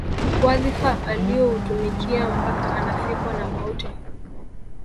Wadhifa alioutumikia mpaka anafikwa na mauti